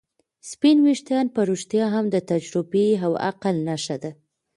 سپین ويښتان په رښتیا هم د تجربې او عقل نښه ده.